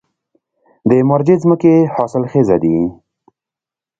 د مارجې ځمکې حاصلخیزه دي